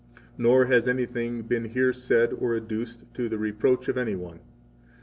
4 Nor has anything been here said or adduced to the reproach of any one.